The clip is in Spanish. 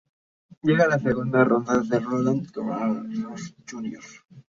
Llega a la segunda ronda de Roland-Garros junior.